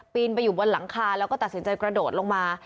ไปอยู่บนหลังคาแล้วก็ตัดสินใจกระโดดลงมา